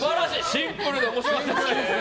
シンプルで面白かったですね。